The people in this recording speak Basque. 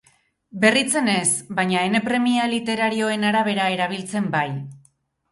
Berritzen ez, baina ene premia literarioen arabera erabiltzen bai.